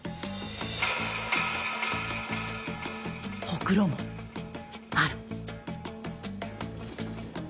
ほくろもある。